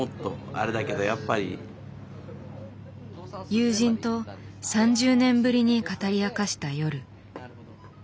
友人と３０年ぶりに語り明かした夜。